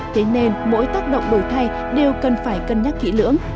thế nên mỗi tác động đổi thay đều cần phải cân nhắc kỹ lưỡng